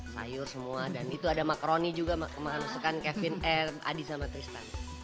sayur semua dan itu ada makaroni juga makan makan kesukaan kevin eh adi sama tristan